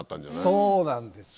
そうなんです。